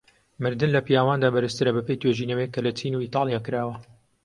مردن لە پیاواندا بەرزترە بەپێی توێژینەوەک کە لە چین و ئیتاڵیا کراوە.